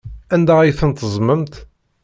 Anda ay tent-teẓẓmemt?